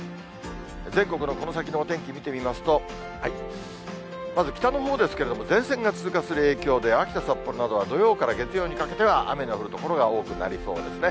全国のこの先のお天気見てみますと、まず北のほうですけれども、前線が通過する影響で、秋田、札幌などは土曜から月曜にかけては、雨の降る所が多くなりそうですね。